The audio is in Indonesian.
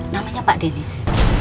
namanya pak denis